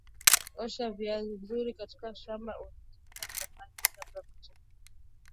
Osha vizuri viazi kutoka shamba ambalo umetumia samadi kabla ya matumizi